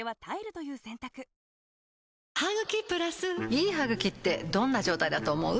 いい歯ぐきってどんな状態だと思う？